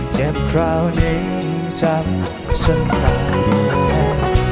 เจ็บคราวนี้จำฉันตาย